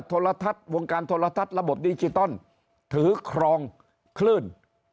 โทรทัศน์วงการโทรทัศน์ระบบดิจิตอลถือครองคลื่น